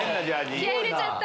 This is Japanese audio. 気合入れちゃった。